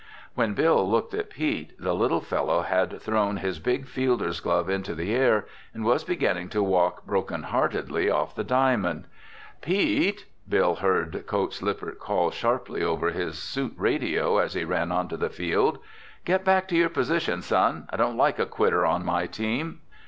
When Bill looked at Pete, the little fellow had thrown his big fielder's glove into the air and was beginning to walk broken heartedly off the diamond. "Pete!" Bill heard Coach Lippert call sharply over his suit radio as he ran onto the field. "Get back to your position, son! I don't like a quitter on my team."